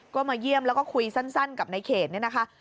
ก็มาเยี่ยมแล้วก็คุยสั้นกับในเขตเนี่ยนะคะ